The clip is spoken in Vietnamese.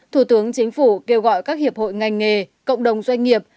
một mươi một thủ tướng chính phủ kêu gọi các hiệp hội ngành nghề cộng đồng doanh nghiệp